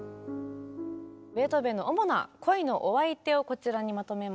ベートーベンの主な恋のお相手をこちらにまとめました。